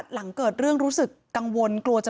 เหตุการณ์เกิดขึ้นแถวคลองแปดลำลูกกา